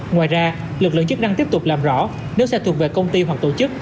ngoài ra lực lượng chức năng tiếp tục làm rõ nếu xe thuộc về công ty hoặc tổ chức